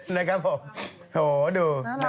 นะครับผมโหดู